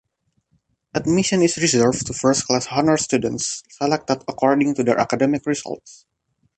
Admission is reserved to first class honour students selected according to their academic results.